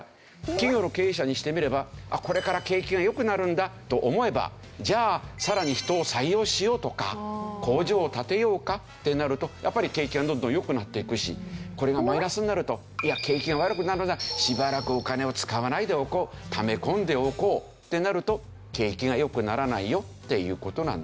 企業の経営者にしてみればこれから景気が良くなるんだと思えばじゃあさらに人を採用しようとか工場を建てようかってなるとやっぱり景気がどんどん良くなっていくしこれがマイナスになるといや景気が悪くなるなしばらくお金を使わないでおこう溜め込んでおこうってなると景気が良くならないよっていう事なんですね。